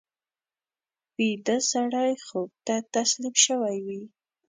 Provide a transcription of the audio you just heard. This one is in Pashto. ویده سړی خوب ته تسلیم شوی وي